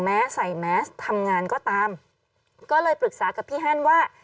ใส่แมสทำงานก็ตามก็เลยปรึกษากับพี่ฮันว่า